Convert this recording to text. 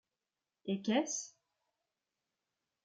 Et qu’est-ce ?